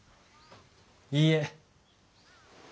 いいえ。